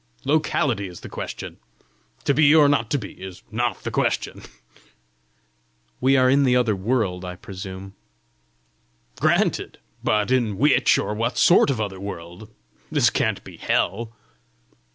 Locality is the question! To be or not to be, is NOT the question!" "We are in the other world, I presume!" "Granted! but in which or what sort of other world? This can't be hell!"